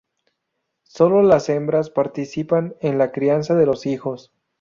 Sólo las hembras participan en la crianza de los hijos.